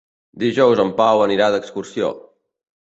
Dijous en Pau anirà d'excursió.